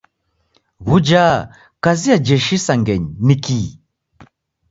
W'uja kazi ya ijeshi isangenyi ni kii?